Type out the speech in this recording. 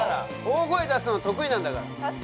大声出すの得意なんだから。